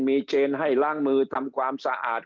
มีเจนให้ล้างมือทำความสะอาด